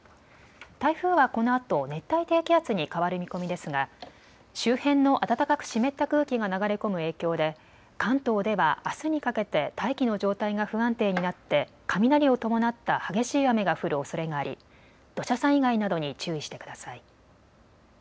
台風はこのあと熱帯低気圧に変わる見込みですが周辺の暖かく湿った空気が流れ込む影響で関東ではあすにかけて大気の状態が不安定になって雷を伴った激しい雨が降るおそれがあり土砂災害などに注意してください。